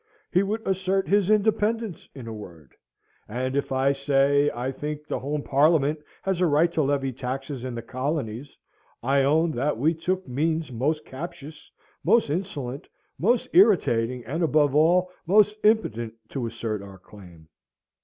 He would assert his independence in a word; and if, I say, I think the home Parliament had a right to levy taxes in the colonies, I own that we took means most captious, most insolent, most irritating, and, above all, most impotent, to assert our claim.